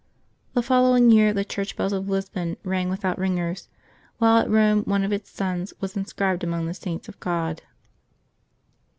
'' The following year, the church bells of Lisbon rang without ringers, while at Eome one of its sons was inscribed among the Saints of God.